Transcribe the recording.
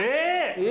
え！？